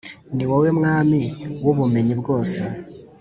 Ni wowe mwami w’ubumenyi bwose,